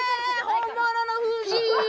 本物の富士！